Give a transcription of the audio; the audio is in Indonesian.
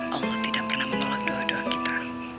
allah tidak pernah menolak doa doa kita